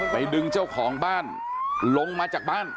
ดึงเจ้าของบ้านลงมาจากบ้าน